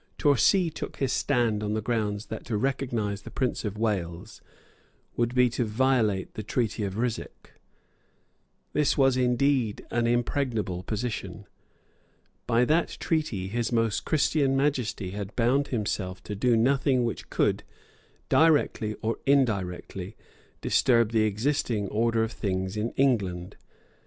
Torcy took his stand on the ground that to recognise the Prince of Wales would be to violate the Treaty of Ryswick. This was indeed an impregnable position. By that treaty His Most Christian Majesty had bound himself to do nothing which could, directly or indirectly, disturb the existing order of things in England.